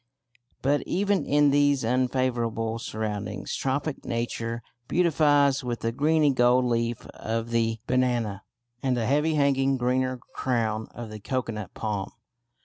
But even in these unfavourable surroundings tropic Nature beautifies with the greeny gold leaf of the banana and the heavy hanging greener crown of the cocoanut palm.